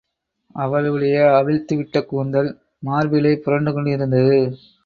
அவளுடைய அவிழ்த்துவிட்ட கூந்தல் மார்பிலே புரண்டு கொண்டிருந்தது.